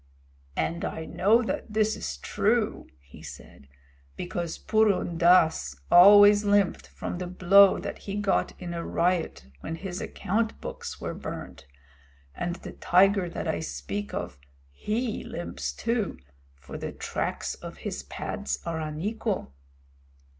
"And I know that this is true," he said, "because Purun Dass always limped from the blow that he got in a riot when his account books were burned, and the tiger that I speak of he limps, too, for the tracks of his pads are unequal."